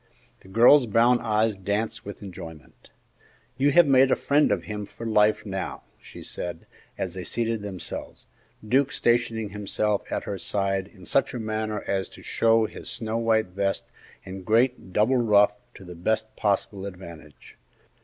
The girl's brown eyes danced with enjoyment. "You have made a friend of him for life, now," she said as they seated themselves, Duke stationing himself at her side in such a manner as to show his snow white vest and great double ruff to the best possible advantage.